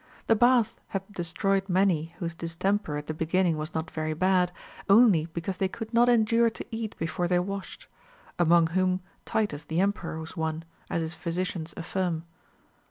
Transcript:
The bath hath destroyed many whose distemper at the beginning was not 254 RULES FOR THE PRESERVATION OF HEALTH. very bad, only because they could not endure to eat before they washed ; among whom Titus the emperor was one, as his physicians affirm.